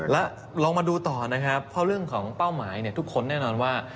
แล้วลองมาดูต่อนะครับเพราะเรื่องของเป้าหมายทุกคนแน่นอนว่า